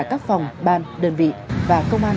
các phòng ban đơn vị và công an